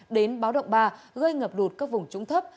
đến báo động ba gây ngập lụt các vùng trúng thấp